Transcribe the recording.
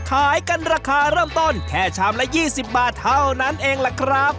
ขายกันราคาเริ่มต้นแค่ชามละ๒๐บาทเท่านั้นเองล่ะครับ